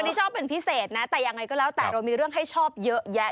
นี่ชอบเป็นพิเศษนะแต่ยังไงก็แล้วแต่เรามีเรื่องให้ชอบเยอะแยะ